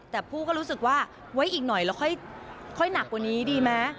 แต่ผู้ก็รู้สึกว่าไว้อีกหน่อยแล้วค่อยหนักกว่านี้ดีไหม